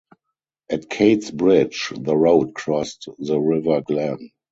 At Kate's Bridge, the road crossed the River Glen.